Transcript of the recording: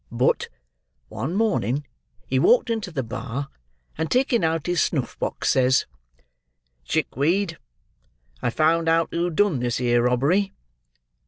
But, one morning, he walked into the bar, and taking out his snuffbox, says 'Chickweed, I've found out who done this here robbery.